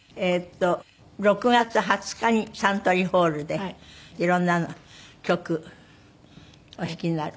６月２０日にサントリーホールで色んな曲お弾きになる？